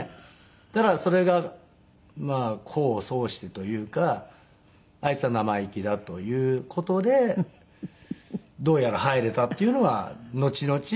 そしたらそれがまあ功を奏してというかあいつは生意気だという事でどうやら入れたっていうのがのちのち